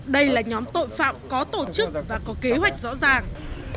đây là nhóm tội phạm có tổ chức và có kế hoạch rõ ràng